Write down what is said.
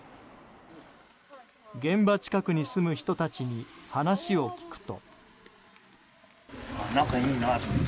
現場近くに住む人たちに話を聞くと。